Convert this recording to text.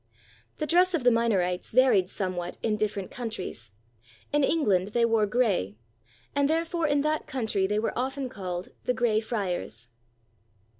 The dress of the Minorites varied somewhat in different countries. In England they wore gray; and therefore in that country they were often called the Grey Friars.